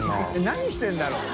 何してるんだろう？